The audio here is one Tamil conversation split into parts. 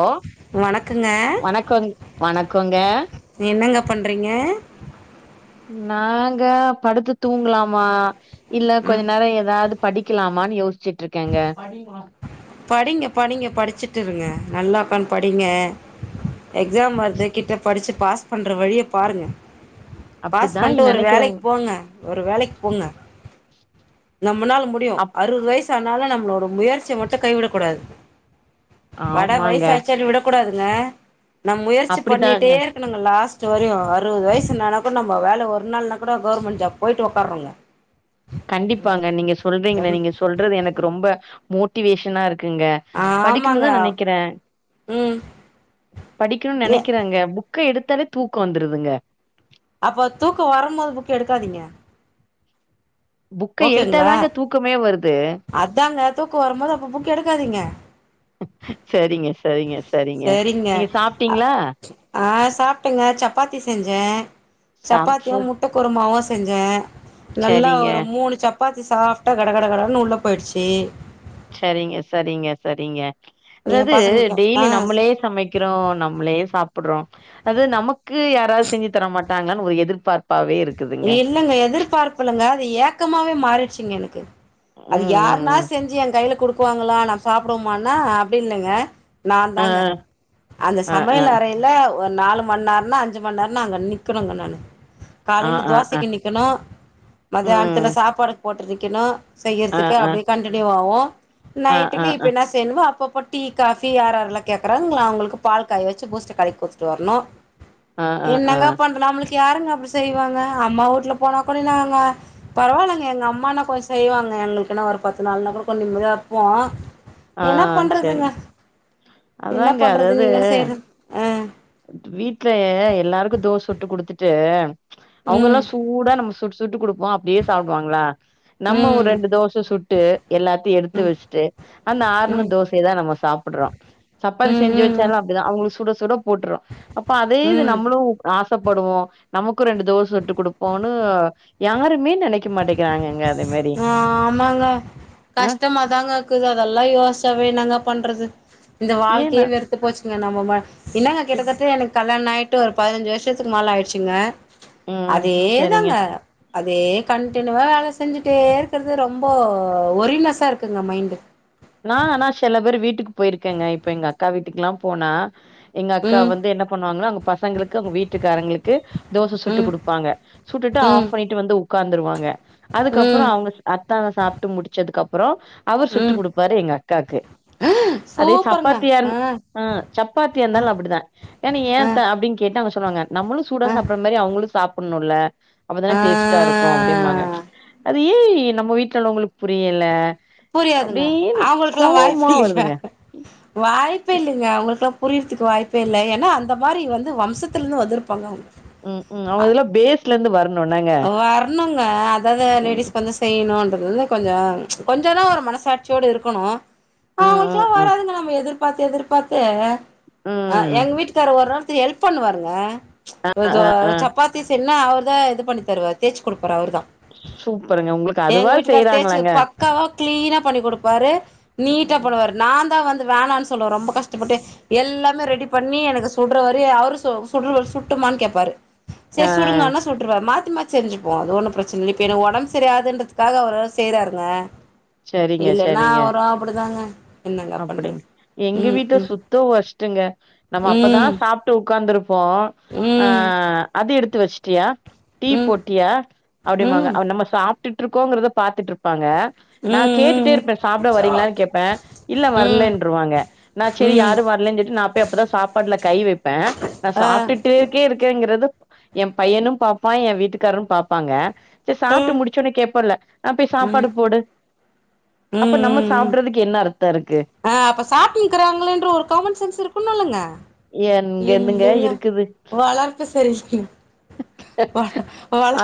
ஒ வணக்கங்க வணக்க வணக்கங்க நீ என்னங்க பண்றீங்க நாங்க படுத்து தூங்கலாமா இல்ல ம் கொஞ்ச நேர ஏதாது படிக்கலாமானு யோசிசுட்டு இருக்கேங்க படிங்க படிங்க படிச்சுட்டு இருங்க நல்லா ஒக்காந் படிங்க எக்ஸாம் வருது கிட்ட படிச்சு பாஸ் பண்ற வழிய பாருங்க பாஸ் அப்டிதா பண்ட்டு ஒரு நெனைக்கிறேங் வேலைக்கு போங்க ஒரு வேலைக்கு போங்க நம்மனால முடியும் அப் அறுவது வயசு ஆனாலு நம்மளோட முயற்சியை மட்டு கைவிடக் கூடாது வட ஆமாங்க வயசு ஆச்சேனு விடக் கூடாதுங்க நம் முயற்சி பண்ணிட்டே அப்டிதாங்க நாங்க லாஸ்ட் வரையு அறுவது வயசு னா கூட நம்ம வேல ஒரு நாள்னா கூட கவர்மெண்ட் ஜாப் போயிட்டு ஒக்காறோங்க கண்டிப்பாங்க நீங்க சொல்றீங்க நீங்க சொல்றது எனக்கு ரொம்ப மோட்டிவேஷனா இருக்குங்க படிக்கணு ஆமாங்க தா நெனக்கிறே ம் படிக்கணும்னு ஏ நெனக்றேங்க புக் புக் எடுத்தாலே தூக்கம் வந்ருதுங்க அப்போ தூக்க வரும் போது புக் எடுக்காதீங்க புக்க ஓகேங்களா எடுத்தாதாங்க தூக்கமே வருது அதாங்க தூக்கம் வரும்போது அப்ப புக் எடுக்காதீங்க சரிங்க சரிங்க சரிங்க நீங்க சாப்ட்டீங்களா அ சாப்டேங்க சப்பாத்தி செஞ்செ சாப் சப்பாத்தியு சூப் முட்ட குருமாவு செஞ்செ நல்லா சரிங்க ஒரு மூணு சப்பாத்தி சாப்டா கட கட னு உள்ள போயிடுச்சு சரிங்க சரிங்க சரிங்க எ அதாவது பசங்களுக்கு டெய்லி ஆ நம்மளே சமைக் க்கிறோ நம்மளே சாப்றோ அது நமக்கு யாராவது செஞ்சு தர மாட்டாங்களானு ஒரு எதிர்பார்ப்பாவே இருக்கு இல்லங்க எதிர்பார்ப்புல்லங்க அது ஏக்கமாவவே மாறிடுச்சுங்க எனக்கு ம், அது யாருன்னா ம், செஞ்சு ஏ கையில குடுக்குவாங்களா நா சாப்டுவோமானா அப்டி இல்லங்க நா தாங்க ம். அந்த ஆ, ஆ, சமையல் அறையில ஒரு நாலு மணி நேர அஞ்சு மணி நேர அங்க நிக்கணுங்க நானு ஆ, ஆ, காலையில ஆ, ஆ, தோசைக்கு நிக்கணு மத்தியானத்துல ம். சாப்பாடு போட்ற நிக்கணு ஆ, செய்றதுக்கு ஆ, அப்டே கண் டினியூ ஆவு ஆ, ஆ, நைட்டுக்கு ஆ, இப்பனா என்னமோ அப்பப்போ டீ காஃபி யார் யார்ல்லா கேக்றாங்களோ அவுங்களுக்கு பால் காய வச்சு பூஸ்ட் கலக்கி குடுத்துட்டு வர்ணு ஆ, ஆ, ஆ. என்னங்க பண்லா நம்மளுக்கு யாருங்க அப்டி செய்வாங்க அம்மா வீட்ல போனா கூட நாங்க பரவாலங்க எங்க அம்மானா கொஞ்ச செய்வாங்க எங்களுக்கு என்னா ஒரு பத்து நாள்ன்னா கூட கொஞ்ச நிம்மதியா இருப்போ ஆ, என்ன பண்றதுங்க சரிங்க. என்ன அதாங்க பண்றது அதாவது நீங்களு செய்ற அ வீட்ல எல்லாருக்கு தோச சுட்டு குடுத்துட்டு அவுங்க ம் எல்லா சூடா நம்ம சுட்டு சுட்டு குடுப்போ அப்டியே சாப்டுவாங்களா நம்ம ஒரு ம் ரெண்டு தோச சுட்டு எல்லாத்தையு எடுத்து வச்சுட்டு அந்த ஆறுன ம் தோ சையதா நம்ம சாப்புட்றோ சப்பாத்தி ம் செஞ்சு வச்சாலு ம் அப்டிதா அவுங்களுக்கு சுட சுட போட்றோ அப்போ அதே இது ம் ம் நம்மளு ஆசப்படுவோ நமக்கு ரெண்டு தோச சுட்டு குடுப்போனு யாருமே நெனக் க்க மாட்டேகிறாங்கங்க அதே மேரி ஆ ஆமாங்க கஷ்டமா தாங்க இக்குது அதெல்லா யோச்சாவே என்னங்க பண்றது இந்த ஏ வாழ்க்கயே நா வெறு த்து போச்சுங்க நம்ம என்னாங்க இப் கிட்டத்தட்ட எனக்கு கல்யாண ஆயிட்டு ஒரு பதினஞ்சு வருஷத்துக்கு மேல ஆய்ருச்சுங்க ம் அதே சரிங்க தாங்க அதே கண்டினியூவா வேல செஞ்சுட்டே இருக்கறது ரொம்ப ஒரினஸ்ஸா இருக்குங்க மைண்டு நா ஆனா செல பேர் வீட்டுக்கு போய்ருக்கேங்க இப்ப எங்க அக்கா வீட்டுக்கெல்லா போனா எங்க அக்கா ம் வந்து என்ன பண்ணுவாங்கனா அங்க பசங்களுக்கு அவுங்க வீட்டுக்காரங்களுக்கு தோச சுட்டு ம் குடுப்பாங்க சுட்டுட்டு ம் ஆஃப் பண்ணிட்டு வந்து உக்காந்துருவாங்க அதுக்கப்றோ ம் அவுங்க அத்தான சாப்ட்டு முடிச்சதுக்கப்றோ அவர் சுட்டு ம் குடுப்பாரு எங்க அ க்காக்கு அதே சூப்பருங்க சப்பாத்தியா இரு ஆ ம் சப்பாத்தியா ஆ இருந்தாலு அப்டிதா என் ஆ ஏன்த்த அப்டின் கேட்டா அவங்க சொல்லுவாங்க நம்ளு சூடா சாப்டனோ ஆ மாரி அவுங்களு சாப்புட்ணுல்ல அப்பதான டேஸ்டா இருக்கு அப்டிம்பாங்க ஆ அது ஏய் நம்ம வீட்ல உள்ளவங்களுக்கு புரியல புரியாதுங்க அப்படின்னு அவங்களுக்கெல்லா வாய்ப்பு கோவமா இல்லைங்க வருதுங்க. வாய்ப்பே இல்லைங்க அவங்களுக்கெல்லா புரித்துக்கு வாய்ப்பே இல்ல ஏன்னா அந்த மாரி வந்து வம்சத்துலந்து வந்துருப்பாங்க அவுங் ம் ம் அவுங்க இதெலா பேஸ் ல இருந்து வர்ணு என்னாங்க வரணுங்க அதாவது லேடிஸ்கு வந்து செய்யணுன்றது வந்து கொஞ்சோ கொஞ்சோ தா ஒரு மனசாட்சியோடு இருக்கணு ம் அவங்களுக்கெல்லா ம் ம் வராதுங்க நம்ம எதிர்பார்த்து எதிர்பார்த்து ம் எங்க வீட்டுக்கார ஒரு நாள்த்து ஹெல்ப் பண்ணுவாருங்க சப்பாத்தி அ எ தோ அ அ சப்பாத்தி சென்னா அவர் தா இது பண்ணி தருவாரு தேய்ச்சி குடுப்பாரு அவ்ரு தா சூப்பருங்க உங்களுக்கு அதுவாது செய்றாங்களங்க பக்காவ க்ளீனா பண்ணி குடுப்பாரு நீட்டா ம் பண்ணுவாரு நா தா வந்து வேணான்னு சொல்லுவ ரொம்ப கஷ்டப்பட்டு எல்லாமே ரெடி பண்ணி எனக்கு சுட்ற வரையு அவரு சுல்ற சுட்டுமான்னு கேப்பாரு செரி ஆ சுடுங்கனா சுட்ருவாரு மா சுத்தமா செஞ்சுப்போ அது ஒன்னு பிரச்சன இல்ல இப்போ எனக் ஒடம் சரியாதுன்றதுக்காக அவரு செய்றாருங்க சரிங்க இல்லன்னா சரிங்க அவுரு அப்டிதாங்க என்னங்க அ பண்றது ம்கு டு ஓஸ்ட்டுங்க நம்ம அப்பதா சாப்டு உக்காந்துருப்போ ஆ அது எடுத்து வச்ட்டியா டீ ம் ம் போட்டியா அப்டின்பாங்க ம் நம்ம சாப் ட்டுட்டு இருக்கோங்கறத பாத்துட்டுருப்பாங்க நா கேட்டுட்டே ம் இருப்ப சாப்ட வரீங்களான்னு கேப்ப இல்ல ம் ம் வரலன்ருவாங்க நா செரி ம் யாரு வரலன்னு சொல்லிட்டு நா போய் அப்பதா சாப்பாட்ல கை வைப்பே நா ஆ சாப்ட்டு ட்டுடே இருக்கேங்கிறத என் பையனு பாப்பா என் வீட்டுக்காரும் பாப்பாங்க சேரி சாப்ட்டு ம் முடிச் ச்சசோன்னே கேப்போல்ல ஆ போயி ம் சாப்பாடு போடு ம் அப்ப நம்ம ம் ம் சாப்ட்றதுக்கு என்ன அர்த் த இருக்கு ஆ அப்ப சாப்ட்னு இருக்கறாங்களேன்ற ஒரு காமன் சென்ஸ் இருக்குனு இல்லங்க எங்கெந்துங்க இல்லைங்க இருக்குது வளர்ப்பு சரியில்லைங் வள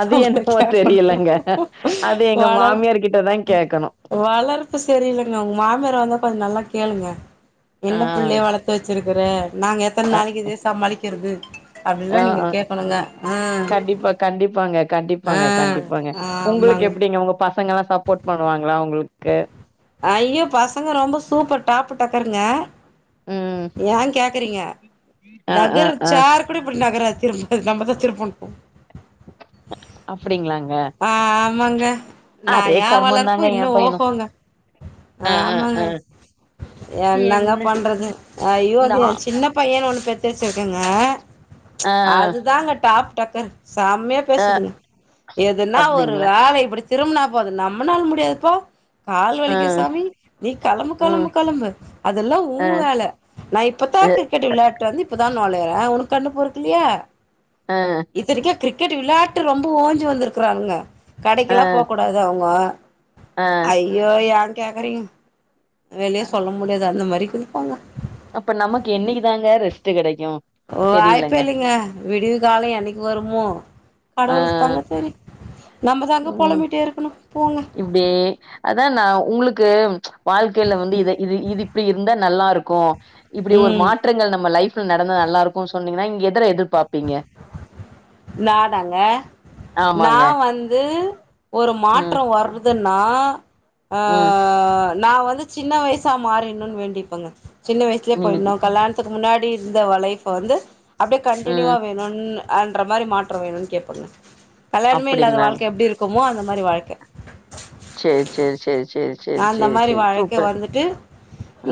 அது என்னவோ கேக்கணு தெரியலங்க அது எங்க வளர்ப் மாமியார் கிட்டதா கேக்கணு அ வளர்ப்பு சரியில்லங்க உங்க மாமியாரு வந்தா கொஞ்சோ நல்லா கேளுங்க ஆ என்ன பிள்ளைய வளத்து வச்சிருக்கற நாங்க எத்தன நாளைக்கு இதே சமாளிக்கிறது அப்டில்லா அ நீங்க ஆ கேக்கணுங்க ஆ கண்டிப்பா கண்டிப்பாங்க ஆ கண்டிப்பாங்க கண்டிப் பாங்க உங்களுக்கு ஆமாங்க எப்படிங்க உங்க பசங்க எல்லா சப்போர்ட் பண்ணுவாங்களா உங்களுக்கு ஐய்யோ பசங்க ரொம்ப சூப்பர் டாப்பு டக்கருங்க ம் ஏன் கேக்கறீங்க ஆ ஆ நகர் ஆ சேர் அப்டி இப்டி நகறாது திரும்ப நம்மதா திருப்பணு அப்டிங்களாங்க ஆமாங்க நா அதே ஏன் வளர்ப்பு கர்மந்தாங்க எ இன்னு பையனு ஓகோங்க ஆ ஆ ஆமாங்க ஆ என்னங்க என்ன பண்றது ஐய்யோ நா அது என் சின்ன பையன்னு ஒண்ணு பெத்து வெச்சிருக்கங்க ஆ அதுதாங்க டாப் டக்கரு செம்மயா ஆ பேசுதுங்க எதுனா ஒரு அப்டிங்களா வேல இப்டி திரும்புனா போது நம்பனால முடியாதுப்பா கால் ஆ வலிக்கு சாமி நீ கெளம்பு கெளம்பு ம் கெளம்பு அதெல்லா ஊ ஆ வேல நா இப்பதா அ கிரிக்கெட் விளையாட்டு வந்து இப்பதா நொழையறே உனக்கு கண்ணு பொருக்கலையா அ இத்தனைக்கு கிரிக்கெட் விளையான்ட்டு ரொம்ப ஓஞ்சி வந்துருக்குறானுங்க கடைக்கெல்லா போக்கூடாது அவுங்க அ ஐய்யோ ஏன் கேக்குறீங்க வெளிய ஆ சொல்ல முடியாது அந்த மாதிரி குதிப்பாங்க அப்ப நமக்கு என்னைக்கு தாங்க ரெஸ்ட் கெடைக்கு ஓ வாய்பே தெரியலங்க. இல்லைங்க விடிவு காலம் என்னைக்கு வருமோ ஆ. கடவுளுக்கு தாங்க தெரியு நம்மதாங்க பொலம்பிட்டே இருக்கணும் போங்க அப்டியே அத்தா நா உங்களுக்கு வாழ்க்கையில வந்து இத இது இது இப்படி இருந்தா நல்லா இருக்கும் இப்படி ஒரு ம் மாற்றங்கள் நம்ம லைஃப் ல நடந்தா நல்ல இருக்கும்னு சொன்னீங்கன்னா நீங்க எதில எதிர்பாப்பீங்க நாடாங்க நா ஆமாங்க. வந்து ஒரு ம். மாற்றம் வ ருதுன்னா ஆ ம். நா வந்து சின்ன வயசா மாறின்ணும்னு வேண்டிப்பேங்க சின்ன வயசுலயே நீங்க போயிட்ணு கல்யாணத்துக்கு முன்னாடி இருந்த லைஃப்ப வந்து அப்படியே கன்டினுவா ம். வேணும்னு அன்ற மாறி மாற்றம் வேணும்னு கேப்பங்க கல்யாணமே இல்லாத அப்படிங்களாங்க. வாழ்க்க எப்டி இருக்குமோ அந்த மாறி வாழ்க்க சேரி சேரி சேரி சேரி அந்த மாறி வாழ்க்கை வாழ்ந்துட்டு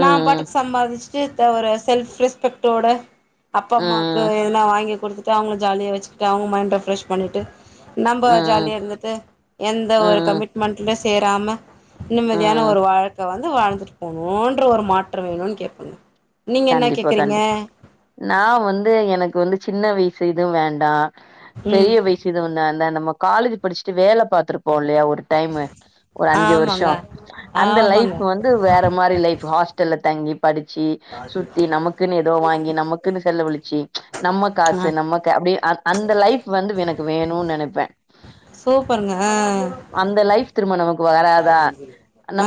நா ம். பாட்டுக்கு சம்பாதிச்சு ட்டு ஒரு செல்ஃப் ரெஸ்பெக்ட்டோட அப்பா அம்மாவுக்கு ம். எதுனா வாங்கி குடுத் து அவங்க ஜாலியா வச்சுட்டு அவங்க மைண்ட ரெப்ரெஷ் பண்ணிட்டு நம்ப ம். ஜாலிய இருந்துட்டு எந்த ஒரு ம். கமிட்மெண்ட்லயு சேராம நிம்மதியான ம். ஒரு வாழ்க்கை வந்து வாழ்ந்துட்டு போணும்ன்ற ஒரு மாற்றம் வேணும்னு கேப்பங்க நீங்க என்ன கண்டிப்பா கேக்குறீங்க கண்டிப் நா வந்து எனக்கு வந்து சின்ன வயசு இதும் வேண்டா ம் பெரிய வயசு இது வந்து அந்த நம்ம காலேஜ் படிச்சுட்டு வேலை பாத்துருப் போ இல்லையா ஒரு டைமு ஒரு அஞ்சு ஆமாங்க வருஷம் அந்த ஆமாங்க லைப் வந் து வேற மாதிரி லைஃப் ஹாஸ்டல்ல தங்கி படிச்சி சுத்தி நமக்குன்னு ஏதோ வாங்கி நமக்குன்னு செலவழிச்சு நம்ம ஆ காசு நம்மக்க அப்டியே அந்த லைஃப் வந்து எனக்கு வேணு நெனப்பே சோ அந்த லைஃப் திரும்ப நமக்கு வராதா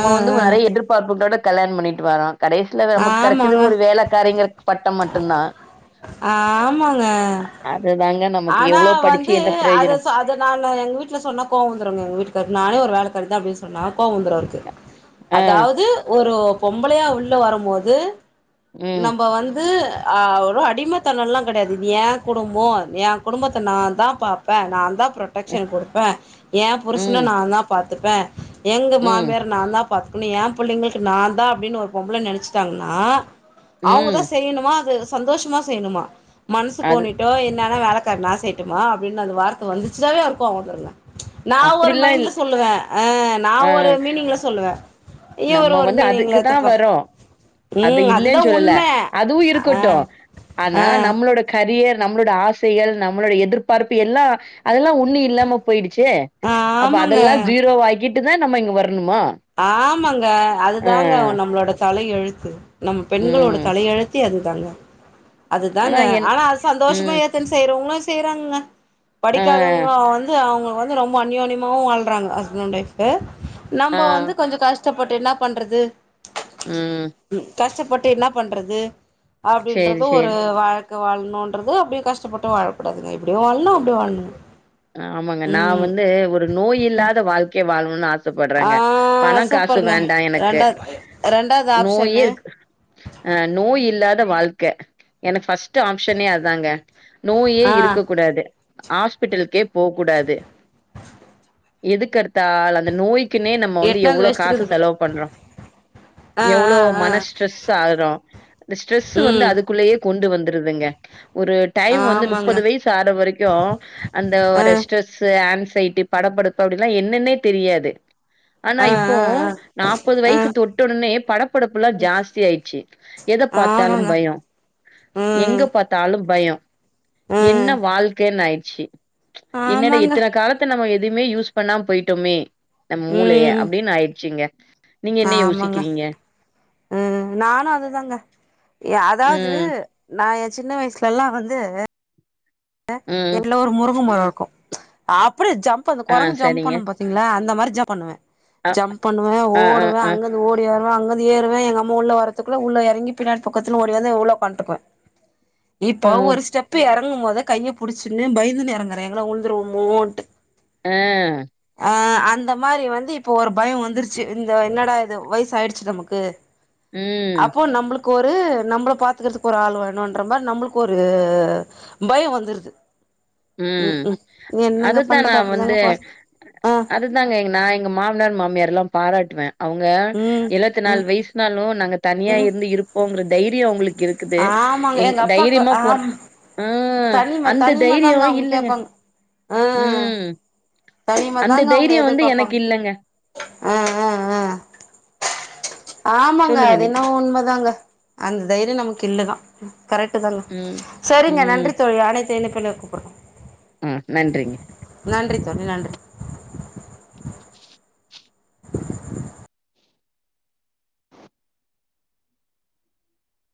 ஆ வந்து நெறைய எதிர்ப் பார்ப்புகளோட கல்யாணம் பண்ணிட்டு வாரோம் கடைசில ஆ நமக்கு ஆமாங்க கடச்சது ஒரு வேலக்காரிங்கங்கற பட்டோ மட்டும்தா ஆமாங்க அதுதாங்க நமக்கு ஆனா எவ்ளோ படிச்சு வந்து என்ன அத பிரயோஜனம் சாப் இத நானு எங்க வீட்ல சொன்னா கோவோ வந்துருங்க எங்க வீட்டுக்காருக்கு நானே ஒரு வேலக்காரி தா அப்டின்னு சொன்னா கோவம் வந்துரு அவருக்கு ஆ அதாவ்து ஒரு பொம்பளையா உள்ள வரும்போது ம் நம்ப வந்து அ ஒரு அடிமத்தனல்லாம் கிடையாது ஏ குடும்போ ஏ குடும்பத்த நாந்தா பாப்பே நாந்தா ப்ரொட டெக்க்ஷன் குடுப்பே ஏ புருஷனா ம் நாந்தா பாத்துப்பே எங்க ம் மாமியார நாந்தா பாத்துக்கணு ஏ புள்ளைங்களுக்கு நாந்தான் அப்டின்னு ஒரு பொம்பள நெனச்சிட்டாங்கன்னா ம் அவுங்கதா செய்யணுமா அது சந்தோஷமா செய்யணுமா மனசு அது கோனிட் டோ என்னன்னா வேலக்காரி நா செய்யட்டுமா அப்டின்னு அந்த வார்த்த வந்துச்சுனாவே அவருக்கு கோவோ வந்துருங்க நா ஒரு அப்டிலா இல் மைண்ட்ல சொல்லுவே அ நா அ ஒரு மீனிங்ல சொல்லுவே இவரு நம்ம ஒரு வந்து மீனிங்ல அதுக்கு தா எடுத்துப்பார் வரோ அத இல்லேன்னு சொல்லல அதுவு அ இருக்கட்டு அ ஆனா நம்மள நம்ளோட கரியர் நம்ளோட ஆசைகள் நம்ளோட எதிர்பார்ப்பு எல்லா அதெல்லா ஒண்ணு இல்லாம போயிடுச்சே அப்ப ஆமாங்க அதெல்லா ஜீரோவா ஆக்கிட்டு தா நம்ம இங்க வர்ணுமா ஆமாங்க அதுதாங்க நம்மளோட தலையெழுத்து நம்ம பெண்களோட ம் தலையெழுத்தே அதுதாங்க அதுதாங்க ஆனா அது சந்தோஷமா ம் ஏத்துன் செய்றவங்களு செய்றாங்கங்க ஆ படிக்காதவங்க அன் து அவங்க வந்து ரொம்ப அந்நியோனியமாவும் வாழ்றாங்க ஹஸ்பண்ட் ஒயிப் ஆ நம்ப வந் கொஞ்சோ கஷ்டப்பட்டு இன்னா பண்றது ம் ம் கஷ்டப்பட்டு இன்னா பண்றது சேரி அப்படின்றது ஒரு சேரி வாழ் க்க வாழணுன்றது அப்படியு கஷ்டப்பட்டு வாழக்கூடாதுங்க இப்டியும் வாழ்ணு அப்டியும் வாழ்ணு ஆமாங்க நா வந்து ஒரு நோய் இல்லாத வாழ்க்கய வாழணும்னு ஆச ஆ ப்படுறேங்க பணம் காசு சூப்பருங்க வேண்டாம் எனக்கு ரெண்டாவது ரெண்டாவது நோயே ஆப்ஷன்னு இருக் ஆ நோய் இல்லாத வாழ்க்க எனக்கு ஃபர்ஸ்ட்டு ஆப்ஷனே அதுதாங்க நோயே ஆ இருக்க கூடாது ஆஸ்பிட்டல் கே போக்கூடாது எதுகெடுத்தால் அந்த நோய் க்கினே நம்ம வந்து எட்நாள் எவ்ளோ காசு வெஸ்ட்டுக்குது செலவு பண்றோ ஆ எவ்ளோ ஆ ஆ மன ஸ்ட்ரெஸ் ஆகுறோ இந்த ஸ்ட்ரெஸ் வந்து ம் அதுக்குள்ளேயே கொண்டு வந்துருதுங்க ஒரு டைம் வந்து ஆமாங்க முப்பது வயசு ஆற வரைக்கு அந்த ஆ ஒரு ஸ்டெ ட்ரஸ்ஸு ஆன்சைட்டி படபடப்பு அப்படின்னா என்னன்னே தெரியாது ஆனா ஆ இப்போ ஆ ஆ நாப்பது ஆ வயசு தொட்ட உடனே படப்படப்பு எல்லா ஜாஸ்தியாயிட்ச்சு எத பாத்தாலும் ஆமாங்க பயோ எங்க ம் பாத்தாலு பயோ என்ன ம் வாழ்க்கன்னு ஆயிர்ச்சு என்னடா ஆமாங்க எத்தன காலத்த நம்ம எதுவுமே யூஸ் பண்ணாம போயிட்டோமே நம்ம மூளைய ம் அப்டின்னு ஆயிடுச்சுங்க நீங்க என்ன ஆமாங்க யோசிக்கிறீங்க ம் நானு அதுதாங்க எ அதாவ்து ம் நா ஏ சின்ன வய்சுல எல்லா வந்து ம் எல்லோர் முருங்கமரோ இருக்கு அப்டியே ஜம்ப் அந்த ஆ குரங்கு ஜம்ப் சரிங்க பண்ணும் பா த்தீங்களா அந்த மாதிரி ஜம்ப் பண்ணுவே அ ஜம்ப் பண்ணுவே ஆ ஆ ஓடுவே ஆ அங்க ஓடி வருவே அங்கந்து ஏறுவே எங்க அம்மா உள்ள வர்றதுக்குள்ள உள்ள எறங்கி பின்னாடி பக்கத்து ஓடி வந்து உள்ள உக்காண்டுட்டுக்குவே இப்ப ஆ ஒரு ஸ்டெப்பு எறங்கும்மோதே கைய புடிச்சுன்னு பயந்துன்னு இறங்கறே எங்கனா உழுந்துருவோமோன்ட்டு அ அ அந்த மாரி வந்து இப்போ ஒரு பய வந்துருச்சு இந்த என்னடா இது வைசு ஆயிடுச் நம்மக்கு ம் அப்போ நம்ப்ளுக் கொரு நம்பள பாத்துக்கற்துக்கு ஒரு ஆள்வேனூன்ற மார் நம்ப்ளுக் ஒரு பயொ வந் துர்து உம் அதுத்தா நா பண்றது அப்டிதாங்க வந்து போது ஆ அ அதுத் ந்தாங்க எங் நா எங்க மாமனார் மாமியார்ல்லாம் பாராட்டுவெ அவுங்க ம் எழுவத்தி நால் ம் வெய்ஸ்னாலு நாங்க தனியா இர்ந்து இருப்போங்ற தைரியொ அவுங்குளுக் இருக்குது ஆமாங்க எங் எங்க அப்பாக்கு தைரியமா போற ஆம் அ தனிம அந்த தனிம தைரியொ தாங்க அவங்க இல்லங்க கேப்பாங்க ஆ ம் தனிம அந்த தெய்ரியொ வந்து எனக் இல்லங்க அ அ அ ஆம்மங்க சொல்லுங்க அது நீங்க என்ன உண்மதாங்க அந்த தைரியொ நம்மக் இல்லதா கரெக்ட்தாங்க ம் சரிங்க ம் நன்றி தோழி அனைத்த இனப்புல குப்பட்ற ம் நன்றிங்க நன்றி தோழி நன்றி